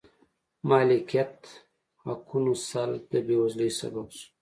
مالکیت حقونو سلب د بېوزلۍ سبب شو.